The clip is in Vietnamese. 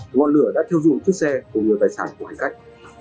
ngọn lửa đã theo dụng chất xe của nhiều tài sản của hành khách